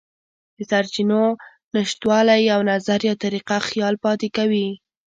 د سرچینو نشتوالی یو نظر یا طریقه خیال پاتې کوي.